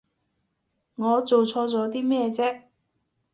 我做錯咗啲咩啫？